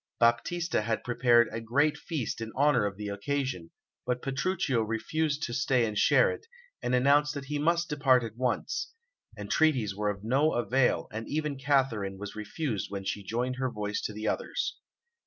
Baptista had prepared a great feast in honour of the occasion, but Petruchio refused to stay and share it, and announced that he must depart at once. Entreaties were of no avail, and even Katharine was refused when she joined her voice to the others.